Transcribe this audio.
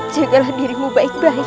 jagalah dirimu baik baik